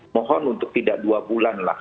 mohon untuk tidak dua bulan lah